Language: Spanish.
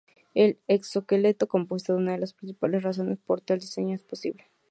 El exoesqueleto compuesto es una de las principales razones por tal diseño es posible.